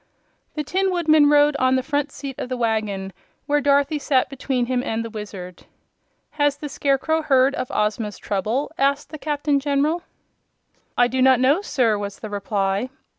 The Tin Woodman rode on the front seat of the wagon, where Dorothy sat between him and the Wizard. "Has the Scarecrow heard of Ozma's trouble?" asked the Captain General. "I do not know, sir," was the reply.